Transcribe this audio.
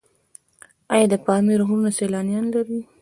آیا د پامیر غرونه سیلانیان لري؟